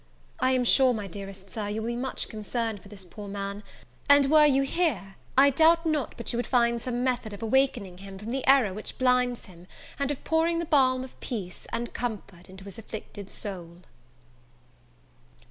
I am sure, my dearest Sir, you will be much concerned for this poor man; and, were you here, I doubt not but you would find some method of awakening him from the error which blinds him, and of pouring the balm of peace and comfort into his afflicted soul.